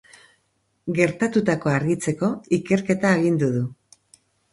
Gertatutakoa argitzeko, ikerketa agindu du.